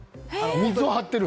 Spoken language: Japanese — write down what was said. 水を張ってる？